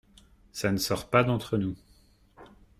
Ca ne sort pas d’entre nous !